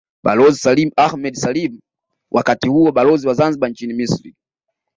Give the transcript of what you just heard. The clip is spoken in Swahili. Balozi Salim Ahmed Salim wakati huo Balozi wa Zanzibar nchini Misri